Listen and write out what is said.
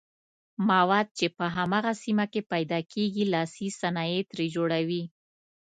مواد چې په هماغه سیمه کې پیداکیږي لاسي صنایع ترې جوړوي.